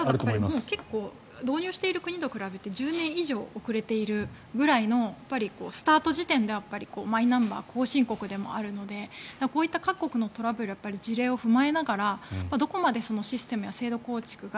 結構、導入している国と比べて１０年以上遅れているぐらいのスタート時点でマイナンバー後進国でもあるのでこういった各国のトラブルや事例を踏まえながらどこまでシステムや制度構築が